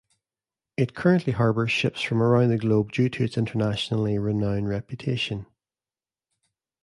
It currently harbors ships from around the globe due to its internationally renown reputation.